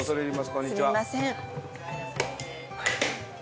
こんにちは。